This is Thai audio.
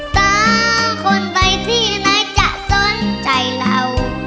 สาวคนไปที่ไหนจะสนใจเรา